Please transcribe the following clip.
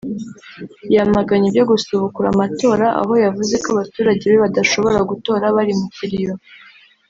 yamaganye ibyo gusubukura amatora aho yavuze ko abaturage be badashobora gutora bari mu kiriyo